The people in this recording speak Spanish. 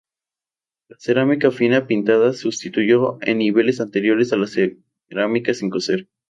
La cerámica fina pintada sustituyó en niveles anteriores a la cerámica sin cocer.